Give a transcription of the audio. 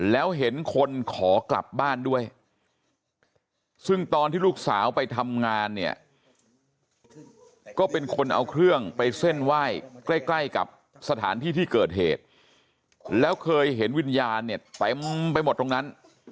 แล้วเห็นคนขอกลับบ้านด้วยซึ่งตอนที่ลูกสาวไปทำงานเนี่ยก็เป็นคนเอาเครื่องไปเส้นไหว้ใกล้ใกล้กับสถานที่ที่เกิดเหตุแล้วเคยเห็นวิญญาณเนี่ยเต็มไปหมดตรงนั้น